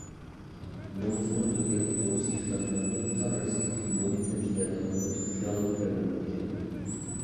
نومۇسنىڭ ئۆلگەنلىكى توغرىسىدىكى خىتابنامىنى تار رەستىدىكى مونى تىلەمچىلەردىن ئاڭلاپ قېلىشنى خىيالىمغىمۇ كەلتۈرمەپتىكەنمەن.